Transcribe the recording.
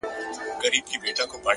هوډ د نیمګړو امکاناتو ملګری دی’